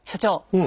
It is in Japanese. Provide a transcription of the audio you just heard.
うん。